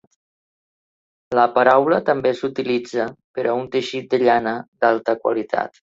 La paraula també s'utilitza per a un teixit de llana d'alta qualitat.